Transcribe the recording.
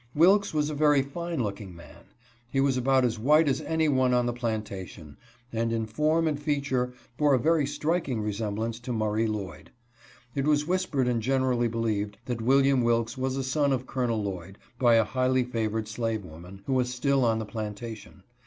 Wilks was a very fine looking man. He was about as white as any one on the plantation, and in form and fea ture bore a very striking resemblance to Murray Lloyd. It was whispered and generally believed that William Wilks was a son of Col. Lloyd, by a highly favored slave woman, who was still on the plantation.